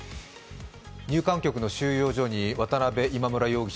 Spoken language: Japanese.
入管局の収容所の渡辺・今村容疑者